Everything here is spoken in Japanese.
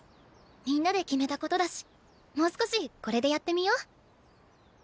みんなで決めたことだしもう少しこれでやってみよう。